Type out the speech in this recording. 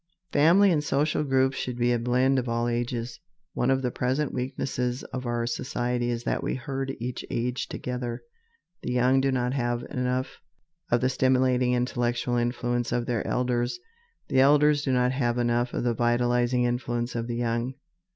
Family and social groups should be a blend of all ages. One of the present weaknesses of our society is that we herd each age together. The young do not have enough of the stimulating intellectual influence of their elders. The elders do not have enough of the vitalizing influence of the young.